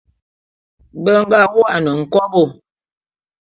Mbe be nga wô'an nkobô.